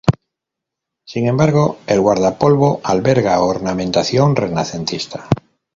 Sin embargo el guardapolvo alberga ornamentación renacentista.